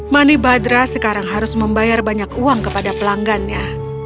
manibhadra sekarang harus membayar banyak uang kepada pelanggannya